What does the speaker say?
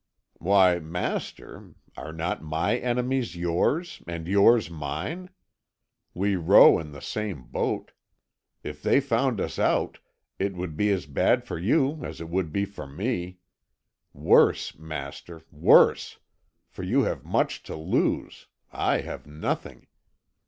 "Why, master, are not my enemies yours, and yours mine? We row in the same boat. If they found us out, it would be as bad for you as it would be for me. Worse, master, worse, for you have much to lose; I have nothing.